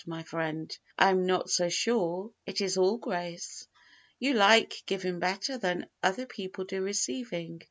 my friend; I am not so sure it is all grace. You like giving better than other people do receiving.